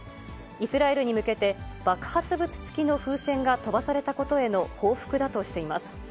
イスラエルに向けて爆発物付きの風船が飛ばされたことへの報復だとしています。